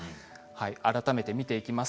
改めて見ていきます。